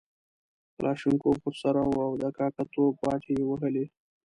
کلاشینکوف ورسره وو او د کاکه توب باټې یې وهلې.